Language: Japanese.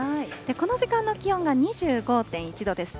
この時間の気温が２５．１度です。